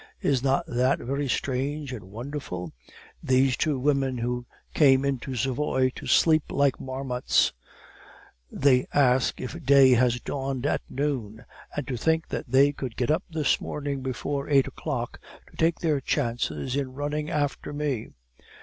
Is not that very strange and wonderful? Those two women came into Savoy to sleep like marmots; they ask if day has dawned at noon; and to think that they could get up this morning before eight o'clock, to take their chances in running after me!"